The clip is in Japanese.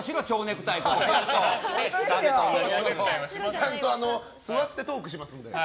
ちゃんと座ってトークしますので。